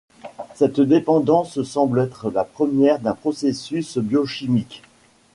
Cette dépendance semble être la première d'un processus biochimique.